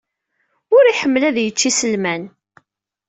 Ur iḥemmel ad yecc iselman.